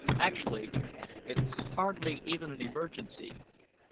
Actually, it's hardly even an emergency.